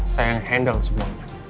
saya yang handle semuanya